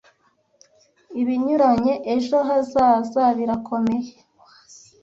ibinyuranye ejo hazaza birakomeye